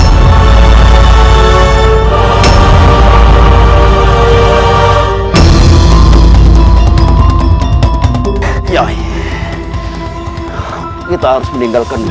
agar kita bisa menangani mereka